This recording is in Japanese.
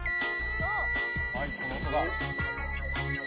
はいこの音が。